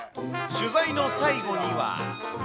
取材の最後には。